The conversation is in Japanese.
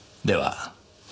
では